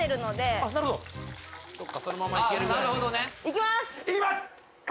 いきます。